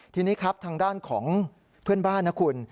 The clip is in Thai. ทีนี้ครับทางด้านของเพื่อนบ้านนะคุณ